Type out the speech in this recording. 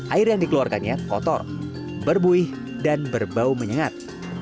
air yang dikeluarkannya kotor berbuih dan berbau menyengat